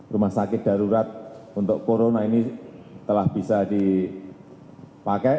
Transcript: rumah sakit darurat untuk corona ini telah bisa dipakai